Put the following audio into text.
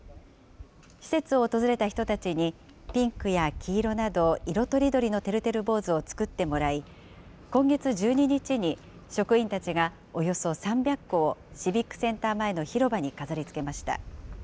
施設を訪れた人たちにピンクや黄色など、色とりどりのてるてる坊主を作ってもらい、今月１２日に職員たちがおよそ３００個をシビックセンター前の広場に飾りつけました。